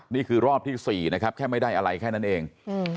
นี่คือรอบที่๔นะครับแค่ไม่ได้อะไรแค่นั้นเอง